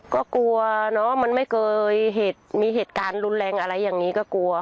ก็กลัวเนอะมันไม่เคยมีเหตุการณ์รุนแรงอะไรอย่างนี้ก็กลัว